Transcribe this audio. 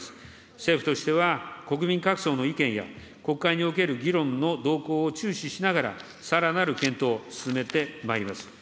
政府としては、国民各層の意見や国会における議論の動向を注視しながら、さらなる検討を進めてまいります。